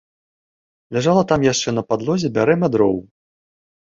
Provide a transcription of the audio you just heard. Ляжала там яшчэ на падлозе бярэма дроў.